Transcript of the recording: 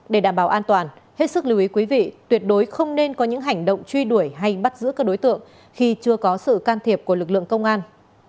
để đảm bảo an toàn hết sức lưu ý quý vị tuyệt đối không nên có những hành động truy đuổi hay bắt giữ các đối tượng khi chưa có sự can thiệp của lực lượng công an